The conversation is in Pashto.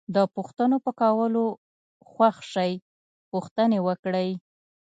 د پوښتنو په کولو خوښ شئ پوښتنې وکړئ.